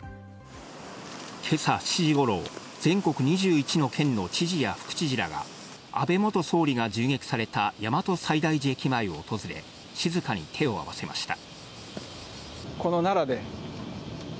今朝７時頃、全国２１の県の知事や副知事らが安倍元総理が銃撃された大和西大寺駅前を訪れ、静かに手を合わせました。